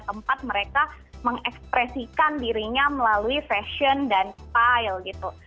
tempat mereka mengekspresikan dirinya melalui fashion dan style gitu